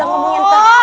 tek tawar dulu